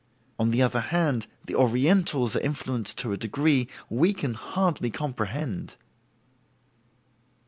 On the other hand, the Orientals are influenced to a degree we can hardly comprehend.